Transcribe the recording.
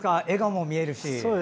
笑顔も見えるし。